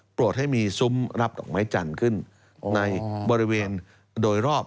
ให้มีซุ้มรับดอกไม้จันทร์ขึ้นในบริเวณโดยรอบ